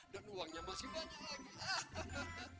dan uangnya masih banyak